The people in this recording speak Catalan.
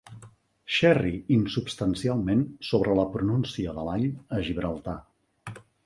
Xerri insubstancialment sobre la pronúncia de l'all a Gibraltar.